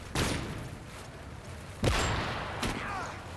Los brazos son relativamente cortos pero el húmero es muy robusto.